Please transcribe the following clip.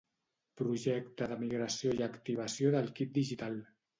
Projecte de migració i activació del kit digital